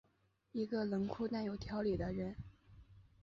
一个冷酷但有条理的人。